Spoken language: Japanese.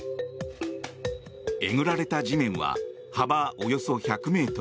えぐられた地面は幅およそ１００ｍ